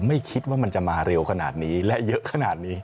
ไม่คิดว่ามันจะมาเร็วขนาดนี้และเยอะขนาดนี้